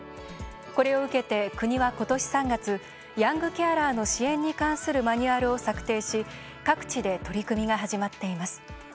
これを受けて国は今年３月ヤングケアラーの支援に関するマニュアルを策定し各地で取り組みが始まっています。